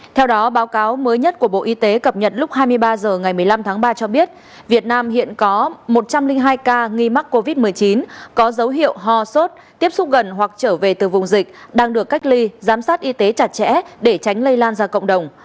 theo đó báo cáo mới nhất của bộ y tế cập nhật lúc hai mươi ba h ngày một mươi năm tháng ba cho biết việt nam hiện có một trăm linh hai ca nghi mắc covid một mươi chín có dấu hiệu ho sốt tiếp xúc gần hoặc trở về từ vùng dịch đang được cách ly giám sát y tế chặt chẽ để tránh lây lan ra cộng đồng